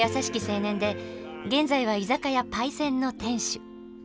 青年で現在は居酒屋「パイセン」の店主。